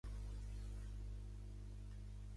No li havia pujat al cap, no li havia donat influes